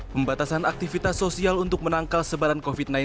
pembatasan aktivitas sosial untuk menangkal sebaran covid sembilan belas